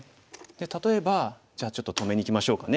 例えばじゃあちょっと止めにいきましょうかね。